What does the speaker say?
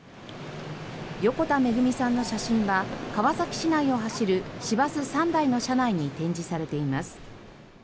横田めぐみさんの写真は川崎市内を走る市バス３台の車内に展示されています。